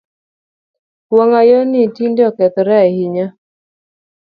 Wangayoo ni tinde okethoree ahinya